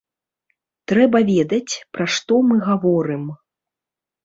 Трэба ведаць, пра што мы гаворым.